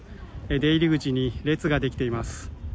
出入り口に列ができています。